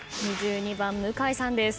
２２番向井さんです。